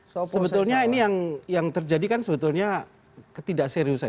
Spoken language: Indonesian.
sebetulnya ini yang terjadi kan sebetulnya ketidakseriusan